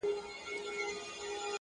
يوه ورځ څه موږكان په لاپو سر وه!.